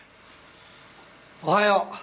おはよう。